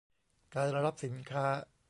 การรับสินค้า